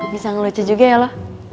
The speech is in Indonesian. bisa ngeluci juga ya lo